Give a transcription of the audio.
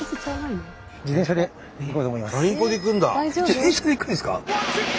自転車で行くんですか？